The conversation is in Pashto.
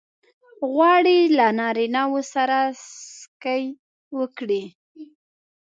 غواړې له نارینه وو سره سکی وکړې؟